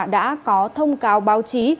đã có thông cáo báo chí